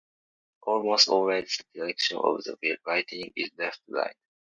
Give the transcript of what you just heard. Almost always the direction of the writing is left to right.